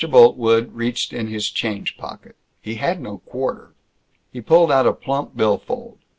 Boltwood reached in his change pocket. He had no quarter. He pulled out a plump bill fold.